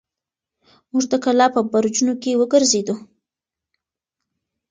موږ د کلا په برجونو کې وګرځېدو.